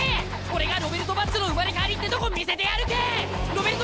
俺がロベルト・バッジョの生まれ変わりってとこ見せてやるけん！